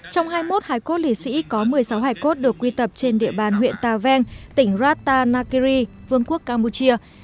trong hai mươi một hải cốt liệt sĩ có một mươi sáu hải cốt được quy tập trên địa bàn huyện tà vang tỉnh rata nakiri vương quốc campuchia